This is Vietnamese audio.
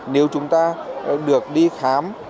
nếu chúng ta được đi khám